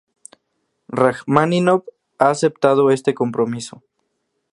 Rajmáninov ha aceptado este compromiso.